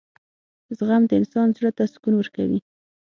• زغم د انسان زړۀ ته سکون ورکوي.